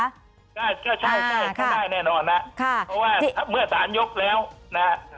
ก็ใช่ก็เป็นก็ได้แน่นอนนะค่ะเพราะว่าเมื่อสารยกแล้วนะฮะ